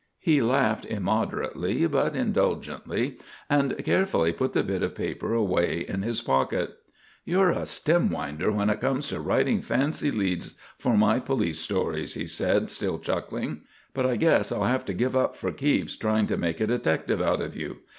He laughed immoderately but indulgently and carefully put the bit of paper away in his pocket. "You're a stem winder when it comes to writing fancy leads for my police stories," he said, still chuckling, "but I guess I'll have to give up for keeps trying to make a detective out of you.